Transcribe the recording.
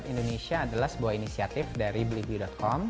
indonesia adalah sebuah inisiatif dari blibi com